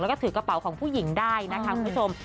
แล้วก็ถือกระเป๋าของผู้หญิงได้นะคะคุณผู้ชม